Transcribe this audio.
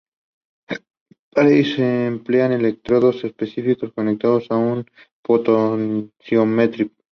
Para ello se emplean electrodos específicos conectados a un potenciómetro.